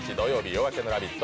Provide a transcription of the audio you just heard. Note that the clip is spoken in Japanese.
「夜明けのラヴィット！」